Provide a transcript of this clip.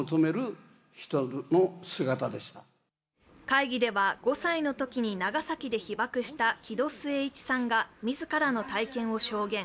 会議では、５歳のときに長崎で被爆した木戸季市さんが自らの体験を証言。